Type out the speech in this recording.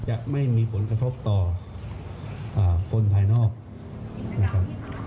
จะไม่มีผลกระทบต่อคนภายนอกนะครับ